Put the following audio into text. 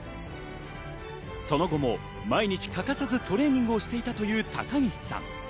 その後も毎日欠かさずトレーニングをしていたという高岸さん。